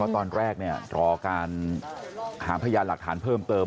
ตอนแรกรอการหาพยานหลักฐานเพิ่มเติม